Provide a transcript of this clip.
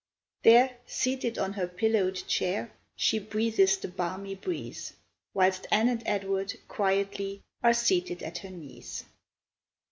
There, seated on her pillow'd chair, She breathes the balmy breeze, Whilst Anne and Edward quietly Are seated at her knees.